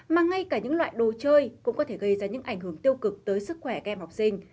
mà ngay cả những loại đồ chơi cũng có thể gây ra những ảnh hưởng tiêu cực tới sức khỏe các em học sinh